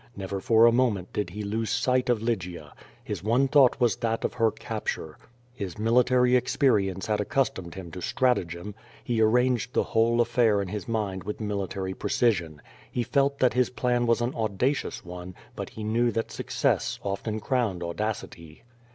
Never for a moment did he lose sight of Lygia. Ills one thought was that of her capture. Ilia mili tary experience had accustomed him to stratagem. Ho ar ranged the whole affair in his mind with military precision. He felt that his jilan was an audacious one, but he knew that success often crowned audacitv.